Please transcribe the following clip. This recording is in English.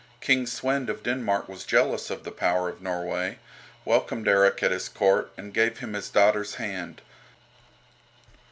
King Svend of Denmark was jealous of the power of Norway, welcomed Erik at his Court, and gave him his daughter's hand.